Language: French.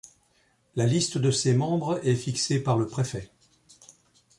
La liste de ses membres est fixée par le préfet.